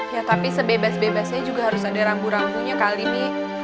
ya tapi sebebas bebasnya juga harus ada rambu rambunya kali nih